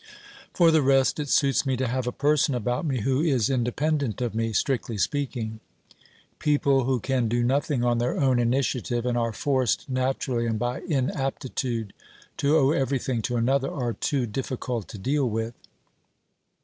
For the rest, it suits me to have a person about me who is independent of me, strictly speaking. People who can do nothing on their own initiative, and are forced, naturally and by inaptitude, to owe everything to another, are too difficult to deal with.